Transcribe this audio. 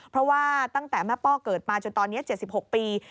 เพราะว่าตั้งแต่แม่ป้อเกิดมาจนตอนนี้๗๖ปี